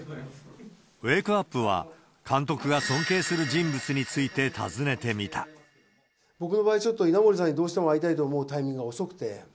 ウェークアップは、監督が尊僕の場合、ちょっと稲盛さんにどうしても会いたいと思うタイミングが遅くて。